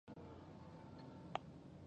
لاسونه معجزې کوي